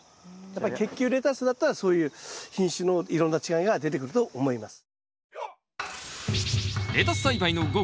やっぱり結球レタスだったらそういう品種のいろんな違いが出てくると思います。